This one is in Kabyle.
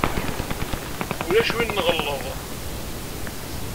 Ulac win nɣelleḍ.